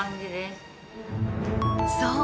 そう！